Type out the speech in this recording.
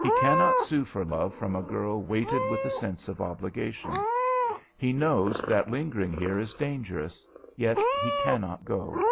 He cannot sue for love from a girl weighted with a sense of obligation. He knows that lingering here is dangerous, yet he cannot go.